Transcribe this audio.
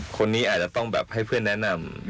คนนี้อาจจะต้องแบบให้เพื่อนแนะนำ